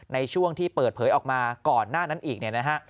ในช่วงที่เปิดเผยออกมาก่อนหน้านั้นอีกเนี่ยนะฮะ